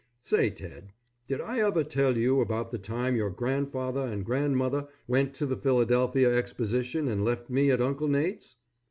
Say, Ted, did I ever tell you about the time your grandfather and grandmother went to the Philadelphia Exposition and left me at Uncle Nate's?